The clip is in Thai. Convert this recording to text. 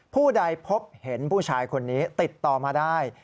ผู้ใดพบเห็นผู้ชายคนนี้ติดต่อมาได้